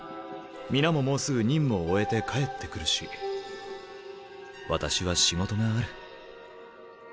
皆ももうすぐ任務を終えて帰って来るし私は仕事がある。